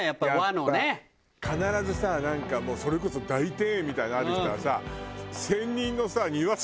必ずさなんかもうそれこそ大庭園みたいなのある人はさ。